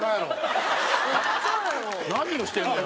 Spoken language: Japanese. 何をしてんのよ。